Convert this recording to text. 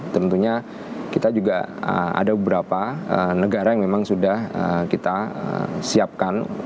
tentunya kita juga ada beberapa negara yang memang sudah kita siapkan